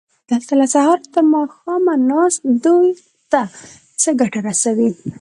دلته له سهاره تر ماښامه ناسته دوی ته څه ګټه رسوي؟